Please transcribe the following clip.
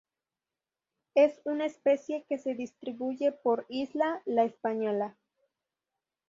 Es una especie que se distribuye por Isla La Española.